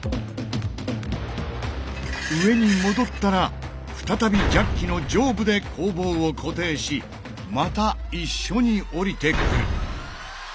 上に戻ったら再びジャッキの上部で鋼棒を固定しまた一緒におりてくる。